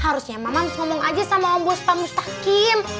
harusnya mama ngomong aja sama om bos pak mustaqim